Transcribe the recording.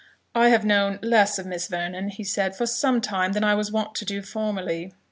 "I have known less of Miss Vernon," he said, "for some time, than I was wont to do formerly.